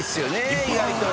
意外と。